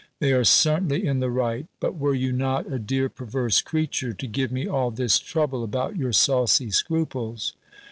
"They are certainly in the right But were you not a dear perverse creature, to give me all this trouble about your saucy scruples?"